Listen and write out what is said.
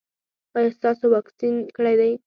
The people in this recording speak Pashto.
ایا تاسو واکسین کړی دی؟